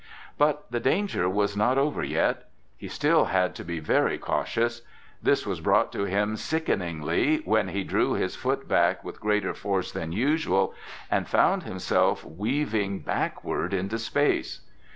But the danger was not over yet. He still had to be very cautious. This was brought to him sickeningly when he drew his foot back with greater force than usual and found himself weaving backward into space.